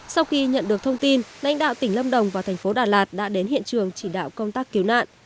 sau khi nhận được thông tin lãnh đạo tỉnh lâm đồng và thành phố đà lạt đã đến hiện trường chỉ đạo công tác cứu nạn